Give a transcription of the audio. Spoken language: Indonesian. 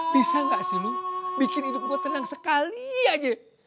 bisa gak sih lu bikin hidup gua tenang sekali aja